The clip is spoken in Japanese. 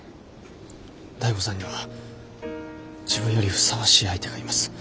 醍醐さんには自分よりふさわしい相手がいます。